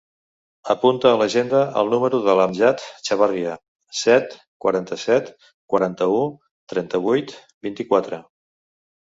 Apunta a l'agenda el número de l'Amjad Chavarria: set, quaranta-set, quaranta-u, trenta-vuit, vint-i-quatre.